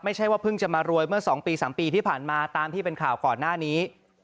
ไม่ใช่ว่าเพิ่งจะมารวยเมื่อ๒ปี๓ปีที่ผ่านมาตามที่เป็นข่าวก่อนหน้านี้